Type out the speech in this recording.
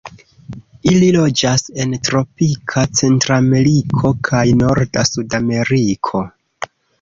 Ili loĝas en tropika Centrameriko kaj norda Sudameriko.